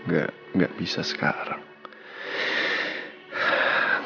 gak bisa sekarang